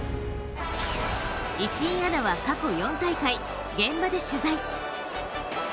石井アナは過去４大会、現場で取材。